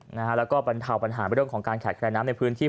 แล้วก็บรรเทาปัญหาเรื่องของการขาดแคลนน้ำในพื้นที่